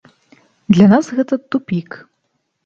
Для нас гэта тупік.